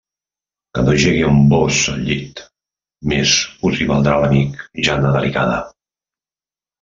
Que no jegui amb vós al llit, més us hi valdrà l'amic, Jana delicada.